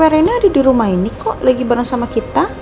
karena reina ada di rumah ini kok lagi bareng sama kita